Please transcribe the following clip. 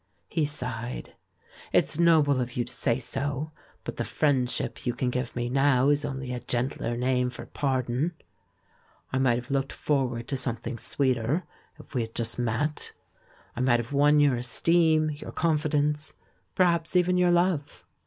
He sighed. "It's noble of you to say so, but the 'friendship' you can give me now is only a gentler name for 'pardon.' I might have looked forward to something sweeter if we had just met, I might have won your esteem, your confidence — perhaps even your love.